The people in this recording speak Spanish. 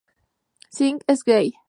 Singh es gay.